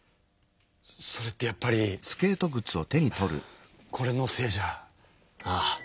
それってやっぱりこれのせいじゃ？ああ。